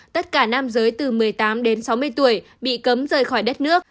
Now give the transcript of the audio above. tất cả nam giới từ một mươi tám đến sáu mươi tuổi bị cấm rời khỏi đất nước